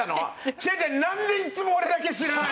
違う違うなんでいつも俺だけ知らないの？